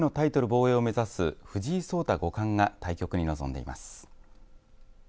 防衛を目指す藤井聡太五冠が対局に臨んでいます。